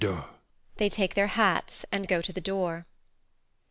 They take their hats and go to the door.